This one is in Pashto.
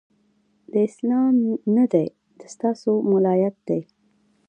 دا اسلام نه دی، د ستا سو ملایت دی